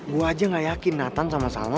gue aja nggak yakin nathan sama salma